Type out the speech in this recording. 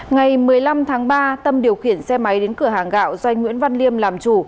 ngày một mươi năm tháng ba tâm điều khiển xe máy đến cửa hàng gạo do anh nguyễn văn liêm làm chủ